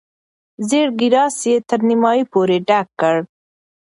زېړ ګیلاس یې تر نیمايي پورې ډک کړ.